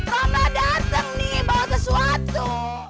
romla dateng nih bawa sesuatu